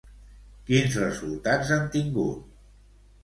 Quins resultats han tingut?